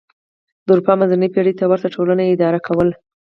د اروپا منځنۍ پېړۍ ته ورته ټولنه یې اداره کوله.